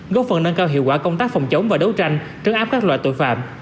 góp phần nâng cao hiệu quả công tác phòng chống và đấu tranh trấn áp các loại tội phạm